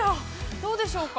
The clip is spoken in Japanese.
どうでしょうか。